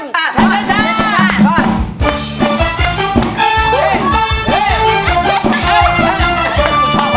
เก็บกูชอบเต็ม